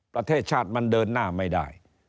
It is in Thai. ประเทศชาติมันเดินหน้าไม่ได้